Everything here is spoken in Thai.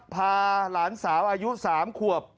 พาหลานสาวอายุสามควบ